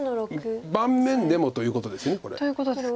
盤面でもということですよねこれ。